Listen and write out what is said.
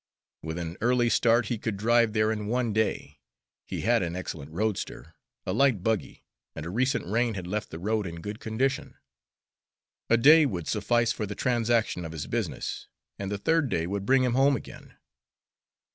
With an early start he could drive there in one day, he had an excellent roadster, a light buggy, and a recent rain had left the road in good condition, a day would suffice for the transaction of his business, and the third day would bring him home again.